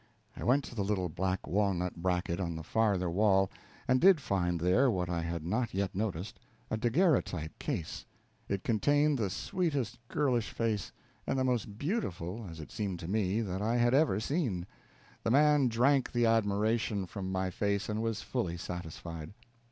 I went to the little black walnut bracket on the farther wall, and did find there what I had not yet noticed a daguerreotype case. It contained the sweetest girlish face, and the most beautiful, as it seemed to me, that I had ever seen. The man drank the admiration from my face, and was fully satisfied.